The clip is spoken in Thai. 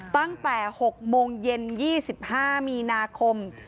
ตั้งแต่๖โมงเย็น๒๕มีนาคม